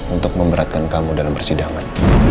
untuk memberatkan kamu dalam persidangan